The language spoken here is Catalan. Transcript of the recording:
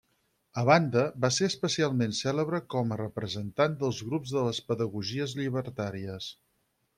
A banda, va ser especialment, cèlebre com a representant dels grups de les pedagogies llibertàries.